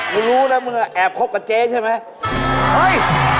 มึงรู้นะมึงเาะแอบคบกับเจ๊ใช่มั้ย